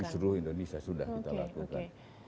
di seluruh indonesia sudah kita lakukan